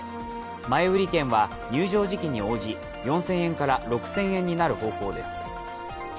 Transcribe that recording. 前売り券は入場時期に応じ４０００円から６０００円になる方向です。